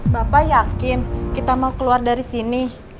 bapak yakin kita mau keluar dari sini